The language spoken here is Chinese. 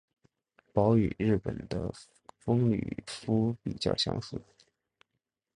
褓与日本的风吕敷比较相似。